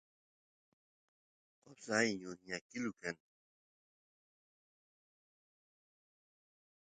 qosay lluqñakilu kan